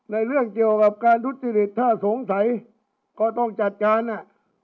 เรื่องเกี่ยวกับการทุจริตถ้าสงสัยก็ต้องจัดการอ่ะ